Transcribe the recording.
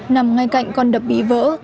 nằm ngay cạnh con đập bị vỡ